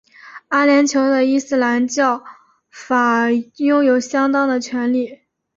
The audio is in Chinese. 阿联酋的伊斯兰教法拥有相当的权力。